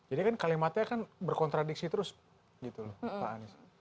jadi kan kalimatnya kan berkontradiksi terus gitu pak anies